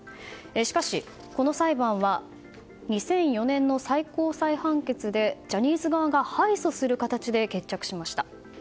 しかし、この裁判は２００４年の最高裁判決でジャニーズ側が敗訴する形で決着しました。